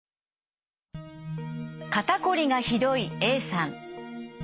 肩こりがひどいＡさん。